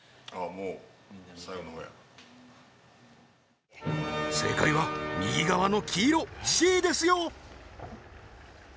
もう最後のほうや正解は右側の黄色Ｃですよ